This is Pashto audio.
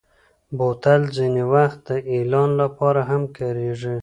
بوتل ځینې وخت د اعلان لپاره هم کارېږي.